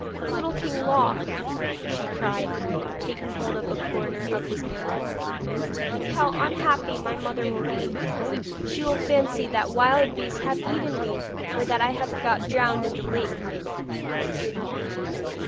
'Little King Loc,' she cried, taking hold of a corner of his mantle, 'think how unhappy my mother will be. She will fancy that wild beasts have eaten me, or that I have got drowned in the lake.'